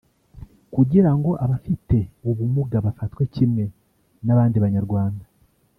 kugira ngo abafite ubumuga bafatwe kimwe n’abandi Banyarwanda